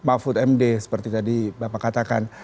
mahfud md seperti tadi bapak katakan